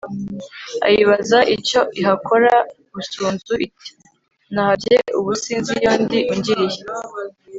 ayibaza icyo ihakora. busunzu iti nahabye ubu sinzi iyo ndi! ungiriye